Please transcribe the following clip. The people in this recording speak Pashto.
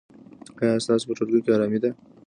ایا ستا په ټولګي کې ارامي ده؟